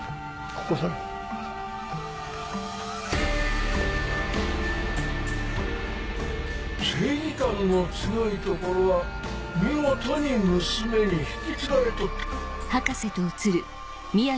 ここを去れ正義感の強いところは見事に娘に引き継がれとった。